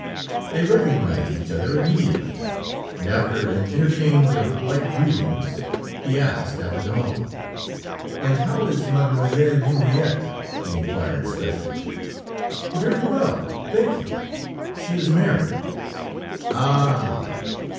They recognized each other immediately, and after an interchange of polite greetings, he asked after them all. "And how is Mademoiselle Henriette?" he inquired, specially. "Very well, thank you; she is married." "Ah!"